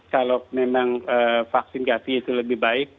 kalau memang vaksin gavi itu lebih baik